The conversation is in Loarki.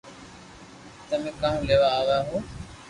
تمي ڪاؤ ليوا آيا ھون